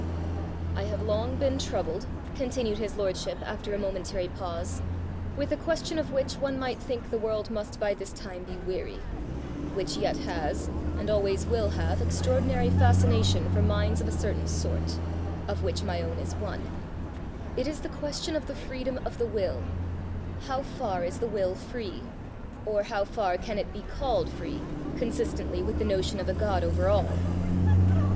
"I have long been troubled," continued his lordship after a momentary pause, "with a question of which one might think the world must by this time be weary which yet has, and always will have, extraordinary fascination for minds of a certain sort of which my own is one: it is the question of the freedom of the will: how far is the will free? or how far can it be called free, consistently with the notion of a God over all?"